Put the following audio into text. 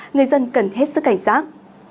người dân cần hết sức cảnh giác